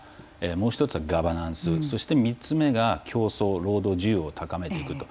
もう１つはガバナンス３つ目は競争、労働需要を高めていくと。